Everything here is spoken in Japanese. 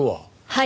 はい。